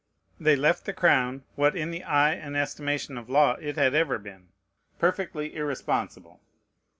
They left the crown, what in the eye and estimation of law it had ever been, perfectly irresponsible.